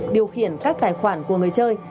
điều khiển các tài khoản của người chơi